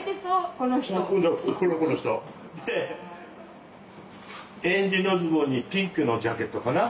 この人。でえんじのズボンにピンクのジャケットかな。